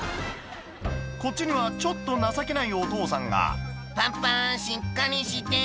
こっちにはちょっと情けないお父さんが「パパしっかりして」